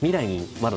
まだ。